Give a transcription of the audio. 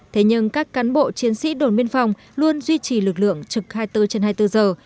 thế nhưng các cán bộ chiến sĩ đồn biên phòng luôn duy trì lực lượng trực hai mươi bốn trên hai mươi bốn giờ